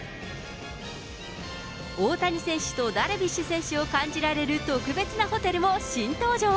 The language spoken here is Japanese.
大谷選手とダルビッシュ選手を感じられる特別なホテルも新登場。